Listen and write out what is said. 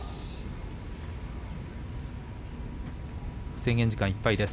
制限時間いっぱいです。